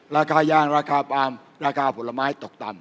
ราคายางราคาปาล์มราคาผลไม้ตกต่ำ